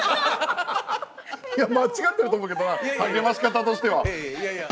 間違ってると思うけどな励まし方としては。